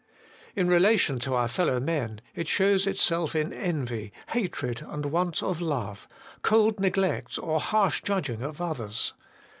In relation to our fellow men it shows itself in envy, hatred, and want of love, cold neglect or harsh judging of others.